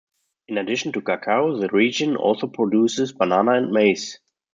In addition to cacao, the region also produces banana and maize.